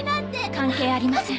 関係ありません。